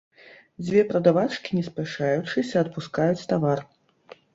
Дзве прадавачкі не спяшаючыся адпускаюць тавар.